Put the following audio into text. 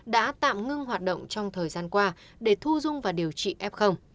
đã tạm ngưng hoạt động trong thời gian qua để thu dung và điều trị f